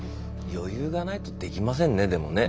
余裕がないとできませんねでもね。